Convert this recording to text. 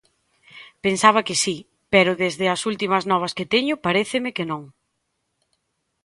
Pensaba que si, pero desde as últimas novas que teño paréceme que non.